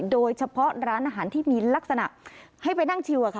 โดยเฉพาะร้านอาหารที่มีลักษณะให้ไปนั่งชิว